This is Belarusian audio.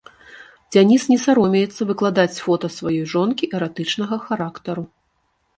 Дзяніс не саромеецца выкладаць фота сваёй жонкі эратычнага характару.